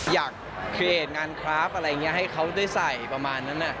อยากเครียดงานคลาฟอะไรแบบนี้ให้เค้าได้ใส่ประมาณนั้นน่ะ